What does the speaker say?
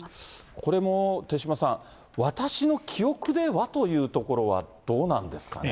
これも手嶋さん、私の記憶ではというところはどうなんですかね。